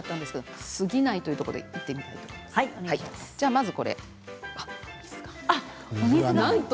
やりすぎないというところでやりたいと思います。